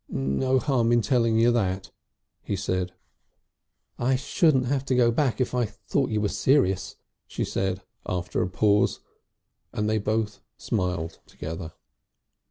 "No harm in telling you that," he said. "I should have to go back if I thought you were serious," she said after a pause, and they both smiled together.